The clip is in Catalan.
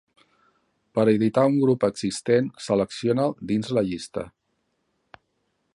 Per editar un grup existent, selecciona'l dins la llista.